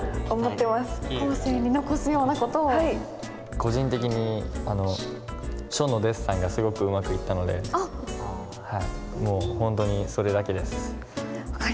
個人的に書のデッサンがすごくうまくいったのでもう本当にそれだけです。